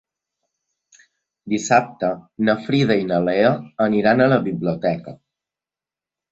Dissabte na Frida i na Lea aniran a la biblioteca.